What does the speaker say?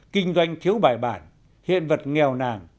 kinh doanh thiếu bài bản hiện vật nghèo nàng